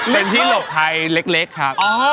เป็นที่หลบภัยเล็กครับ